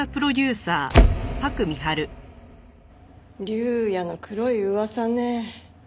竜也の黒い噂ね。